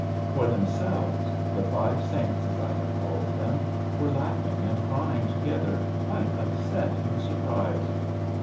For themselves, the five saints as I have called them were laughing and crying together, quite upset in the surprise.